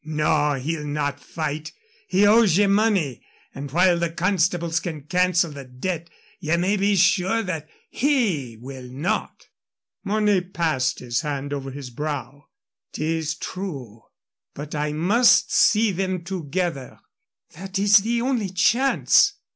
No, he'll not fight. He owes ye money, and while the constables can cancel the debt ye may be sure that he will not." Mornay passed his hand over his brow. "'Tis true. But I must see them together. That is the only chance.